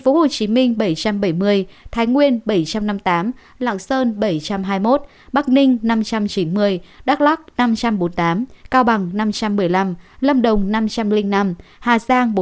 tp hcm bảy trăm bảy mươi thái nguyên bảy trăm năm mươi tám lạng sơn bảy trăm hai mươi một bắc ninh năm trăm chín mươi đắk lắc năm trăm bốn mươi tám cao bằng năm trăm một mươi năm lâm đồng năm trăm linh năm hà giang